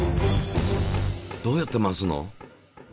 どうやって回すの？